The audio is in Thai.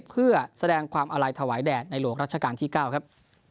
เพื่อแสดงความอาลัยถวายแด่ในหลวงรัชกาลที่๙ครับ